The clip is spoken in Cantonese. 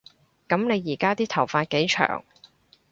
噉你而家啲頭髮幾長